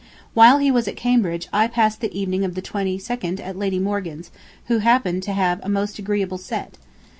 . While he was at Cambridge I passed the evening of the 22nd at Lady Morgan's, who happened to have a most agreeable set